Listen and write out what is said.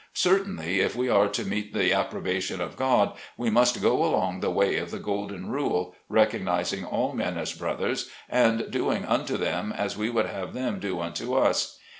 Certainly, if we are to meet the approbation of God, we must go along the way of the golden rule, recognizing all men as brothers, and doing unto them as we would have them do unto us.